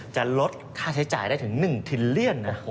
จะลดค่าใช้จ่ายได้ถึง๑เทียนเนี่ย